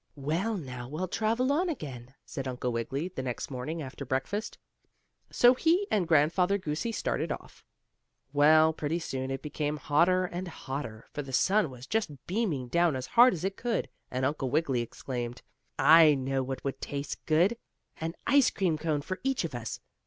"Well, now we'll travel on again," said Uncle Wiggily, the next morning after breakfast. So he and Grandfather Goosey started off. Well, pretty soon it became hotter and hotter, for the sun was just beaming down as hard as it could, and Uncle Wiggily exclaimed: "I know what would taste good! An ice cream cone for each of us.